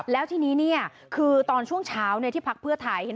แล้วทีนี้คือตอนช่วงเช้าที่พักเพื่อไทยเห็น